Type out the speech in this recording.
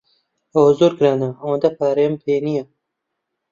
ئەوە زۆر گرانە، ئەوەندە پارەیەم پێ نییە.